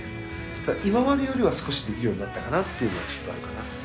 ただ今までよりは少しできるようになったかなっていうのはちょっとあるかな。